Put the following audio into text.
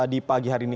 di pagi hari ini